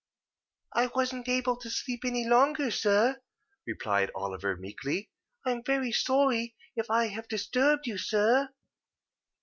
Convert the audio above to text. "I wasn't able to sleep any longer, sir," replied Oliver, meekly. "I am very sorry if I have disturbed you, sir."